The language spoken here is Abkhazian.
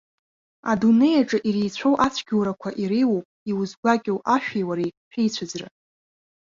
Адунеи аҿы иреицәоу ацәгьоурақәа иреиуоуп иузгәакьоу ашәеи уареи шәеицәыӡра.